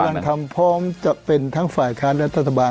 ทางพลังธรรมพร้อมจะปรับครับ